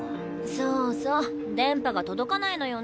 そうそう電波がとどかないのよね。